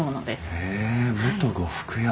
へえ元呉服屋。